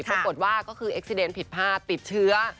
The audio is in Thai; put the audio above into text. ปรากฏว่าก็คือเอ็กซีเดนผิดพลาดติดเชื้อ